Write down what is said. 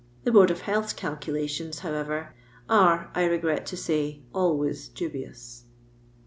The Board oi Health's calculations, however, are, I regret to say, always dubious.